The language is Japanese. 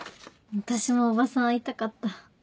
私もおばさん会いたかった。